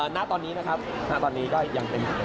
หน้าตอนนี้นะครับหน้าตอนนี้ก็อย่างเต็ม